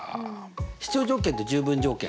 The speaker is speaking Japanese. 必要条件と十分条件